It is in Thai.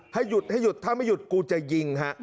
ให้หยุดถ้าไม่หยุดกูจะยิง